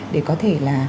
để có thể là